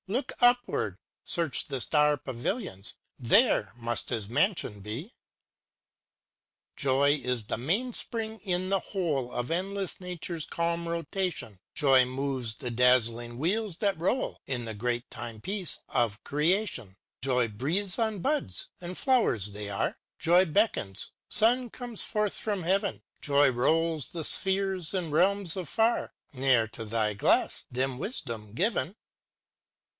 Look upward â search the star pavilions: There must his mansion bel JOHAKN CHRISTOPH PRIEDRICH SCHILLBR 1289$ Joy is the inamspring in the whole Of endless Nature's calm rotation; Joy moves the dazzling wheels that roll In the great Timepiece of Creation; Joy breathes on buds, and flowers they are; Joy beckons â suns come forth from heaven; Joy rolls the spheres in realms afar, â Ne'er to thy glass, dim Wisdom, given!